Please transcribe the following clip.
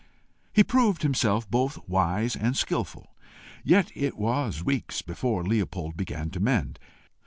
He proved himself both wise and skilful, yet it was weeks before Leopold began to mend.